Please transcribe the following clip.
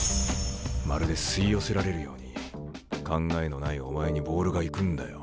まるで吸い寄せられるように考えのないお前にボールが行くんだよ。